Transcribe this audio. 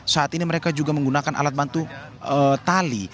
saat ini mereka juga menggunakan alat bantu tali